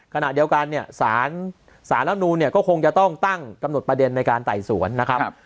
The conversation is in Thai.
ขณะเดียวกันเนี่ยสารรับนูนเนี่ยก็คงจะต้องตั้งกำหนดประเด็นในการไต่สวนนะครับ